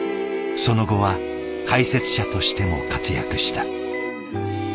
その後は解説者としても活躍した。